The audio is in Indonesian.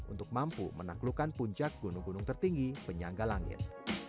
untuk mampu menaklukkan puncak gunung gunung tertinggi penyangga langit